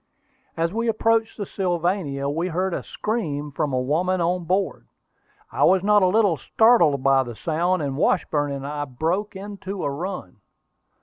As we approached the Sylvania, we heard a scream from a woman on board. I was not a little startled by the sound, and Washburn and I broke into a run.